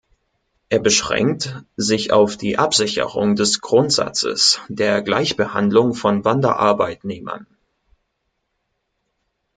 Er beschränkt sich auf die Absicherung des Grundsatzes der Gleichbehandlung von Wanderarbeitnehmern.